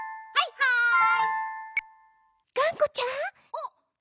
はい。